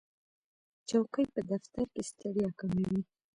چوکۍ په دفتر کې ستړیا کموي.